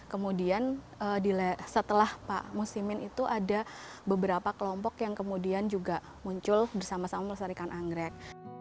kemudian setelah pak musimin itu ada beberapa kelompok yang kemudian juga muncul bersama sama melestarikan anggrek